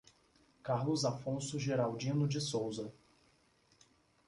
Carlos Afonso Geraldino de Souza